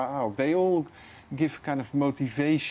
mereka semua memberikan motivasi